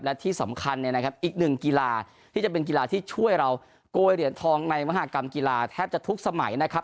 และที่สำคัญเนี่ยนะครับอีกหนึ่งกีฬาที่จะเป็นกีฬาที่ช่วยเราโกยเหรียญทองในมหากรรมกีฬาแทบจะทุกสมัยนะครับ